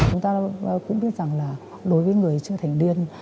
chúng ta cũng biết rằng là đối với người trưởng thành điên